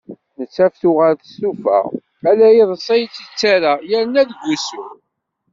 Nettat tuɣal testufa, ala i yiḍes ay tt-tettarra, yerna deg wusu